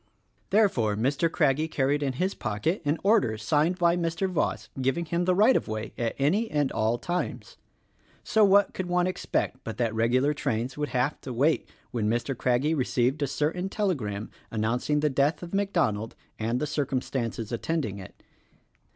Therefore Mr. Craggie carried in his pocket an order signed by Mr. Voss giving him the right of way at any and all times. So what could one expect but that regular trains would have to wait when Mr. Craggie received a certain telegram announcing the death of MacDonald and the circumstances attending it.